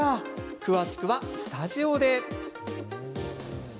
詳しくはスタジオで。